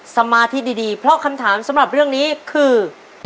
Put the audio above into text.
สมาธิดีเพราะคำถามสำหรับเรื่องนี้คือ